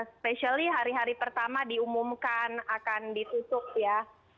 specially hari hari pertama diumumkan akan ditutup ya